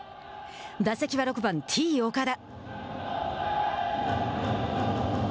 打席は６番、Ｔ−岡田。